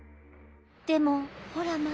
でもほらまた。